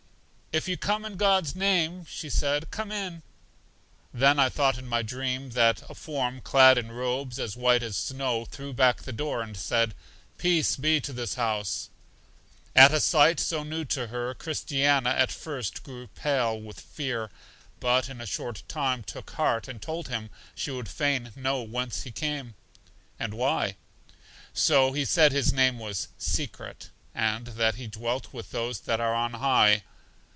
If you come in God's name, said she, come in. Then I thought in my dream that a form, clad in robes as white as snow, threw back the door, and said, Peace be to this house. At a sight so new to her, Christiana at first grew pale with fear, but in a short time took heart and told him she would fain know whence he came, and why. So he said his name was Secret, and that he dwelt with those that are on high.